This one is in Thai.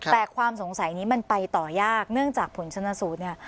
แต่ความสงสัยนี้มันไปต่อยากเนื่องจากผลชนสูตรเนี่ย